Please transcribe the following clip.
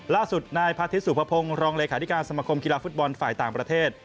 ล่าสุดนายพาทิตยสุภพงศ์รองเลขาธิการสมคมกีฬาฟุตบอลฝ่ายต่างประเทศ